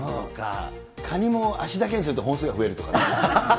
カニも足だけにすると本数が増えるとかね。